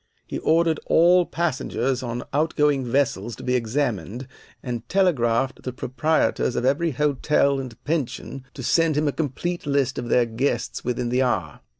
He ordered all passengers on outgoing vessels to be examined, and telegraphed the proprietors of every hotel and pension to send him a complete list of their guests within the hour.